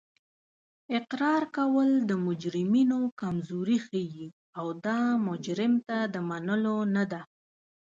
اقرار کول د مجرمینو کمزوري ښیي او دا مجرم ته د منلو نه ده